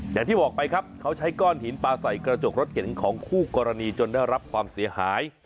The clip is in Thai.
อย่างที่บอกไปครับเขาใช้ก้อนหินปลาใส่กระจกรถเก๋งของคู่กรณีจนได้รับความเสียหาย